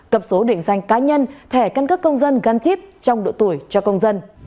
cập số định danh cá nhân thẻ căn cước công dân gắn chip trong độ tuổi cho công dân